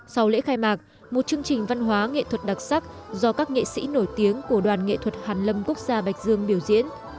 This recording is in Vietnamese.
sau lễ khai mạc một chương trình văn hóa nghệ thuật đặc sắc do các nghệ sĩ nổi tiếng của đoàn nghệ thuật hàn lâm quốc gia bạch dương biểu diễn